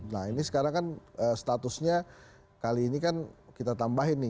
nah ini sekarang kan statusnya kali ini kan kita tambahin nih